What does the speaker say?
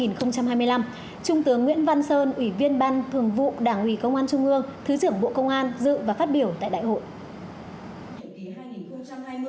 trung tướng nguyễn văn sơn ủy viên ban thường vụ đảng ủy công an trung ương thứ trưởng bộ công an dự và phát biểu tại đại hội